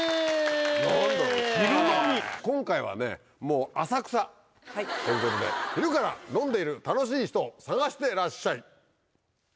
うわ！ということで昼から飲んでいる楽しい人を探してらっしゃい。